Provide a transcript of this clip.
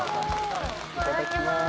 いただきます。